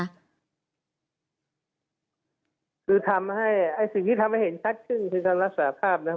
คือสิ่งที่ทำให้เห็นชัดขึ้นคือสารภาพครับ